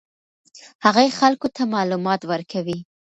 هغې خلکو ته معلومات ورکوي.